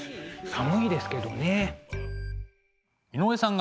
寒いですけどね。